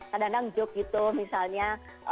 kadang kadang joke gitu misalnya